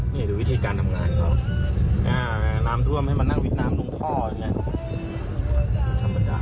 นี่ดูวิธีการทำงานเขาอ่าน้ำท่วมให้มานั่งวิดน้ำตรงท่ออย่างนี้